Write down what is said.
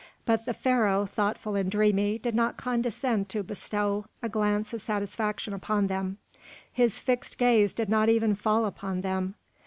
But the Pharaoh, thoughtful and dreamy, did not condescend to bestow a glance of satisfaction upon them; his fixed gaze did not even fall upon them.